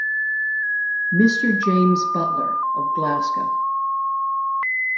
Mr. James Butler, of Glasgow.